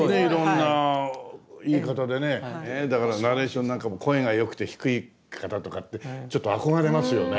だからナレーションなんかも声が良くて低い方とかってちょっと憧れますよね。